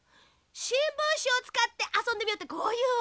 しんぶんしをつかってあそんでみようってこういうわけ。